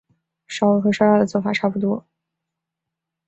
烧鹅和烧鸭做法差不多。